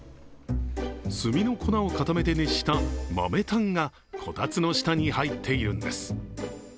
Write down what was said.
炭の粉を固めて熱した豆炭がこたつの下に入っているんです。